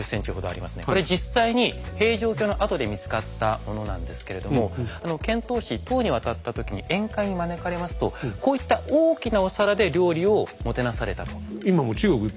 これ実際に平城京の跡で見つかったものなんですけれども遣唐使唐に渡った時に宴会に招かれますとこういった大きなお皿で料理をもてなされたと。